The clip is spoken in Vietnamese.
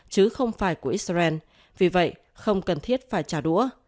chứ không phải của israel vì vậy không cần thiết phải trả đũa